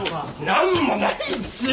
なんもないっすよ！